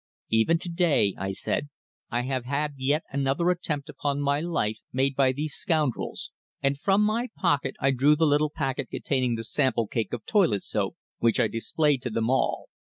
"Even to day," I said, "I have had yet another attempt upon my life made by these scoundrels," and from my pocket I drew the little packet containing the sample cake of toilet soap, which I displayed to them all.